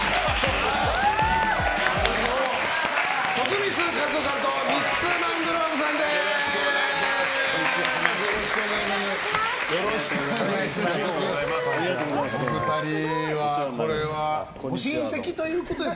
徳光和夫さんとミッツ・マングローブさんです。